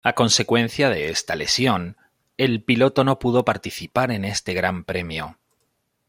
A consecuencia de esta lesión, el piloto no pudo participar en este Gran Premio.